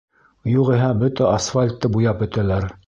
Юғиһә бөтә асфальтты буяп бөтәләр!